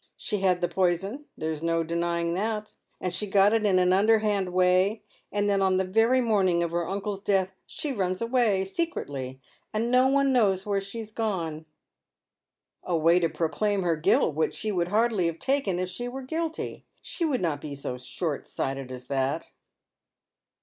She had the poison — there's no denying that — and she got it in an underhand way, and then on the very morning of her uncle's death she runs away, secretly — and no one knows where she's gone." " A way to proclaim her guilt, which she would hardly have taken if she were guilty. She would not be so short sighted as that."